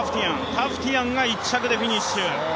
タフティアンが１着でフィニッシュ。